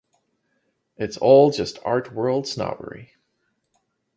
It's all just art world snobbery.